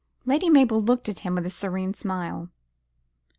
Lady Mabel looked at him with a serene smile.